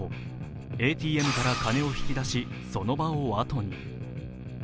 ＡＴＭから金を引き出し、その場をあとに。